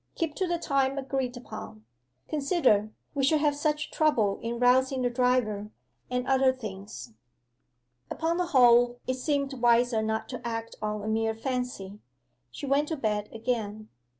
Keep to the time agreed upon. Consider, we should have such a trouble in rousing the driver, and other things.' Upon the whole it seemed wiser not to act on a mere fancy. She went to bed again.